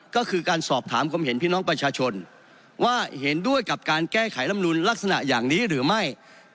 ก็คือการสอบถามความเห็นพี่น้องประชาชนว่าเห็นด้วยกับการแก้ไขลำนูนลักษณะอย่างนี้หรือไม่